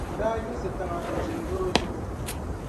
o daa yiɣisi tiŋa n-ʒini garo zuɣu.